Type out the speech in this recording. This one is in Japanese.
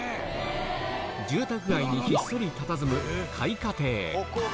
住宅街にひっそりたたずむ開化亭。